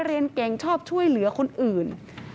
เรียนเก่งชอบช่วยเหลือคนอื่น